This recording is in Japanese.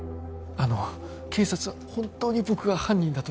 あの警察は本当に僕が犯人だと？